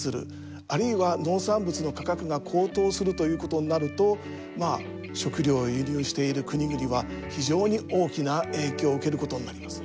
あるいは農産物の価格が高騰するということになるとまあ食料を輸入している国々は非常に大きな影響を受けることになります。